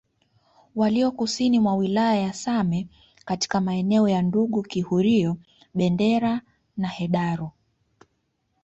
walio kusini mwa wilaya ya Same katika maeneo ya Ndungu Kihurio Bendera na Hedaru